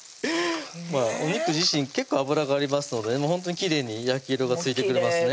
まぁお肉自身結構脂がありますのでほんとにきれいに焼き色がついてくれますね